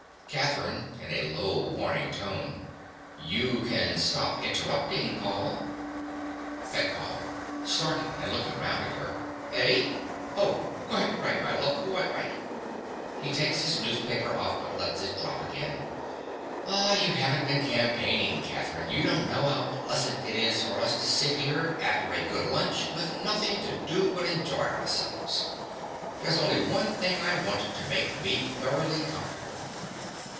CATHERINE. (in a low, warning tone). You can stop interrupting, Paul. PETKOFF. (starting and looking round at her). Eh? Oh! Quite right, my love, quite right. (He takes his newspaper up, but lets it drop again.) Ah, you haven't been campaigning, Catherine: you don't know how pleasant it is for us to sit here, after a good lunch, with nothing to do but enjoy ourselves. There's only one thing I want to make me thoroughly comfortable.